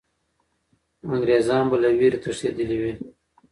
انګریزان به له ویرې تښتېدلي وي.